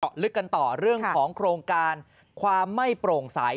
ลึกกันต่อเรื่องของโครงการความไม่โปร่งใส